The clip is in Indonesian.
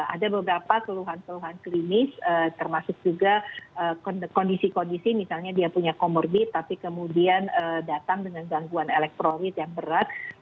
ada beberapa keluhan keluhan klinis termasuk juga kondisi kondisi misalnya dia punya comorbid tapi kemudian datang dengan gangguan elektrolit yang berat